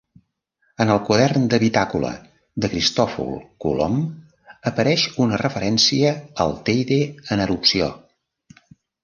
En el quadern de bitàcola de Cristòfol Colom apareix una referència al Teide en erupció.